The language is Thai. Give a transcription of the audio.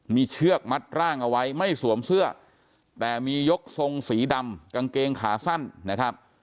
มีเชือกมัดร่างเอาไว้ไม่สวมเสื้อแต่มียกทรงสีดำกางเกงขาสั้นนะครับ